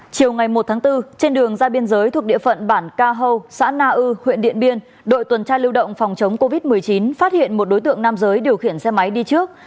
chiều ngày một tháng bốn trên đường ra biên giới thuộc địa phận bản ca hâu xã na ư huyện điện biên đội tuần tra lưu động phòng chống covid một mươi chín phát hiện một đối tượng nam giới điều khiển xe máy đi trước